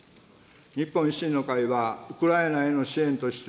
日本維新の会は、ウクライナへの支援として、